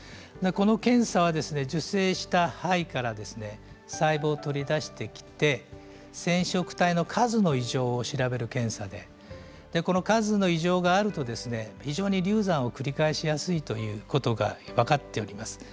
この検査は受精した胚から細胞を取り出してきて染色体の数の異常を調べる検査で数の異常があると流産を繰り返しやすいということが分かっております。